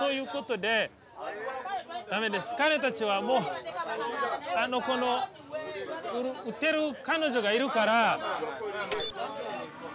彼たちはもうこの売ってる彼女がいるから。